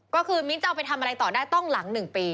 ก็คือมิ้นจะเอาไปทำอะไรต่อได้ต้องหลัง๑ปี